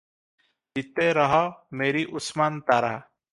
ଜିତେ ରହ ମେରି ଉସ୍ମାନ୍ ତାରା!